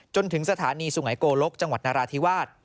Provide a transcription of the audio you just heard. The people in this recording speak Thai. จนถึงสถานีสุงัยโกลกจังหวัดนราธิวาส